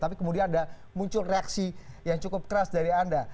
tapi kemudian ada muncul reaksi yang cukup keras dari anda